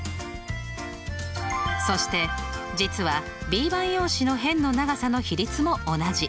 そして実はＢ判用紙の辺の長さの比率も同じ。